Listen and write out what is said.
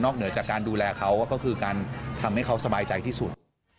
เหนือจากการดูแลเขาก็คือการทำให้เขาสบายใจที่สุด